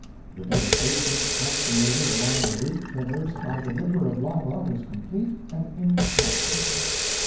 The devastation consummated along the route traversed by the river of lava was complete and incalculable.